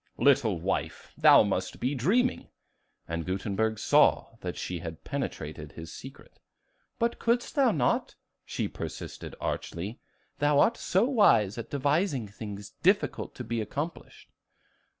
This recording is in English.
Little wife, thou must be dreaming." And Gutenberg saw that she had penetrated his secret. "But couldst thou not?" she persisted archly; "thou art so wise at devising things difficult to be accomplished."